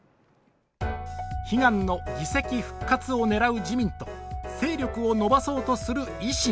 悲願の議席復活を狙う自民と、勢力を伸ばそうとする維新。